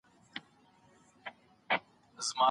ډېر ړانده سړي به په ګڼ ځای کي ږیري ونه لري.